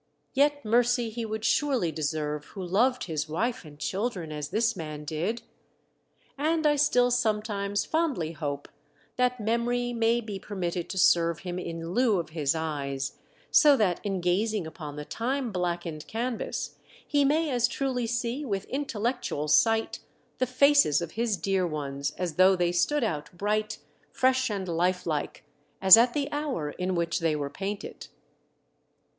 Yet mercy he would surely deserve who loved his wife and children as this man did. And I still sometimes fondly hope that memory may be permitted to serve him in lieu of his eyes, so that in gazing upon the time blackened canvas he may as truly see with intellectual sight the faces of his dear ones as though they stood out bright, fresh and life like, as at the hour in which they were painted.